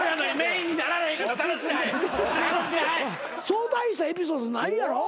そう大したエピソードないやろ？